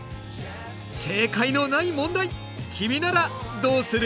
正解のない問題君ならどうする？